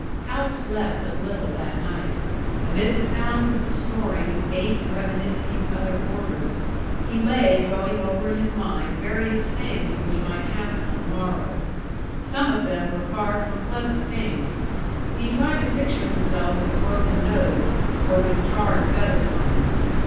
Hal slept but little that night. Amid the sounds of the snoring of eight of Reminitsky's other boarders, he lay going over in his mind various things which might happen on the morrow. Some of them were far from pleasant things; he tried to picture himself with a broken nose, or with tar and feathers on him.